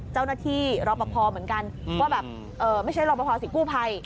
เจ้าหน้าที่รอปภเหมือนกันว่าแบบไม่ใช่รอปภสิ่งกู้ภัย